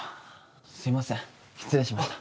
すみません失礼しました。